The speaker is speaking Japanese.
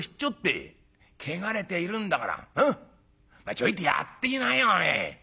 ちょいとやっていきなよお前」。